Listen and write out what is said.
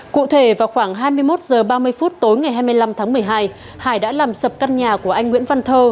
cụ thể vào khoảng hai mươi một h ba mươi phút tối ngày hai mươi năm tháng một mươi hai hải đã làm sập căn nhà của anh nguyễn văn thơ